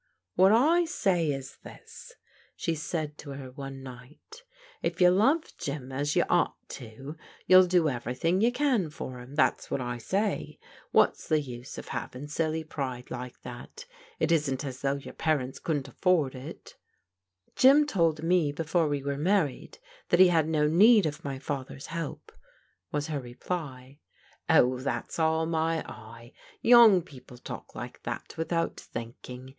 "What I say is this," she said to her one night, if you love Jim as you ought to, you'll do everything you can for him, that's what I say. What's the use of having THE HOME OF THE BABNES 301 silly pride like that? It isn't as though your parents couldn't afford it" *' Jim told me before we were married that he had no need of my father's help," was her reply. "Oh, that's all my eye; young people talk like that without thinking.